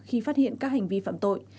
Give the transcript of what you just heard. khi phát hiện các hành vi phạm tội